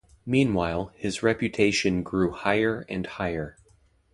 Meanwhile, his reputation grew higher and higher.